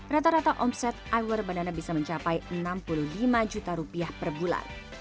rata rata omset iwer banana bisa mencapai enam puluh lima juta rupiah per bulan